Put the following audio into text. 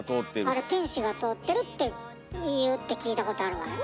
あれ「天使が通ってる」って言うって聞いたことあるわよ。